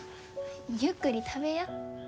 ゆっくり食べや。